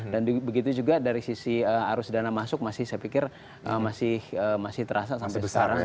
dan begitu juga dari sisi arus dana masuk masih saya pikir masih terasa sampai sekarang